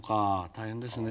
大変ですね。